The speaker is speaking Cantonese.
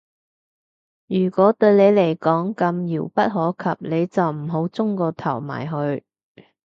如果對你嚟講咁遙不可及，你就唔好舂個頭埋去